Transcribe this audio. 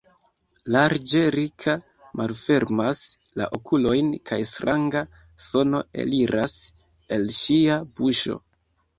Larĝe Rika malfermas la okulojn kaj stranga sono eliras el ŝia buŝo.